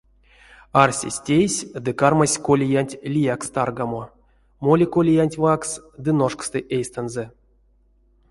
Арсесь-тейсь ды кармась колиянть лиякс таргамо: моли колиянть ваксс ды ношксты эйстэнзэ.